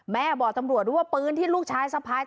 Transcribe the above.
แม่บอกตำรวจว่าปืนที่ลูกชายสะพาย